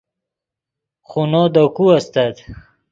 خونو دے کو استت